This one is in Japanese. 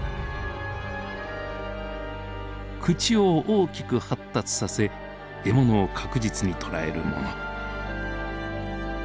口を大きく発達させ獲物を確実に捉えるもの。